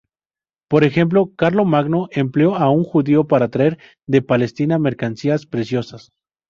Por ejemplo, Carlomagno empleó a un judío para traer de Palestina mercancías preciosas.